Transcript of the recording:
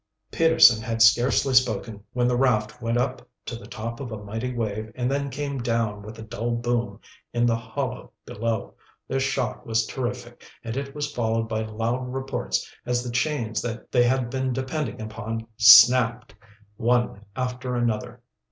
Peterson had scarcely spoken when the raft went up to the top of a mighty wave and then came down with a dull boom in the hollow below. The shock was terrific, and it was followed by loud reports as the chains they had been depending upon snapped, one after another.